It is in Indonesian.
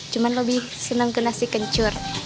cuma lebih senang ke nasi kencur